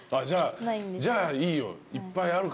じゃあいいよいっぱいあるから。